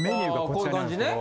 こういう感じね。